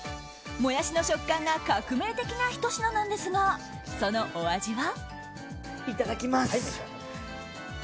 モヤシの食感が革命的なひと品なんですがそのお味は？